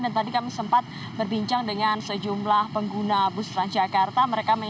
dan tadi kami sempat berbincang dengan sejumlah pengguna bus transjakarta